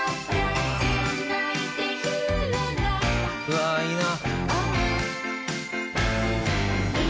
「うわあいいな！」